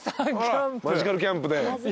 マジカルキャンプで。